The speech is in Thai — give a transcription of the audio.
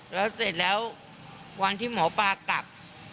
แล้วเสร็จแล้ววันที่หมอปลากลับ